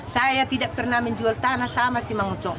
saya tidak pernah menjual tanah sama simangungsong